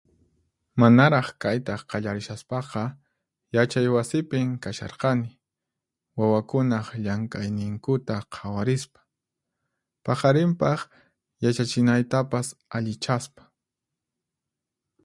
Manaraq kayta qallarishaspaqa, yachay wasipin kasharqani, wawakunaq llank'ayninkuta qhawarispa, paqarinpaq yachachinaytapas allichaspa.